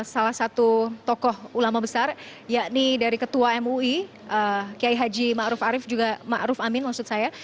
salah satu tokoh ulama besar yakni dari ketua mui kiai haji ma'ruf arif juga ma'ruf amin maksud saya